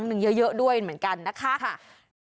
ตาตาตา